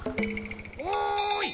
おい！